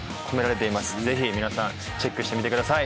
ぜひ皆さんチェックしてみてください。